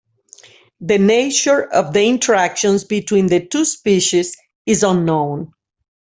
The nature of the interactions between the two species is unknown.